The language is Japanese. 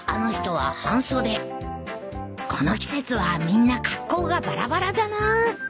この季節はみんな格好がばらばらだなぁ